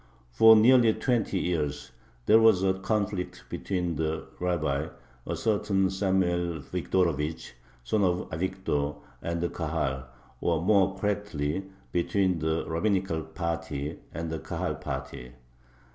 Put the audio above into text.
For nearly twenty years there was a conflict between the Rabbi, a certain Samuel Vigdorovich (son of Avigdor), and the Kahal, or, more correctly, between the rabbinical party and the Kahal party.